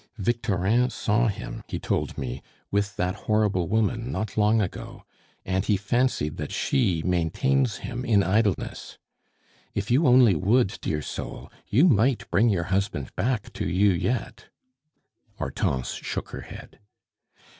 "Victorin saw him, he told me, with that horrible woman not long ago; and he fancied that she maintains him in idleness. If you only would, dear soul, you might bring your husband back to you yet." Hortense shook her head.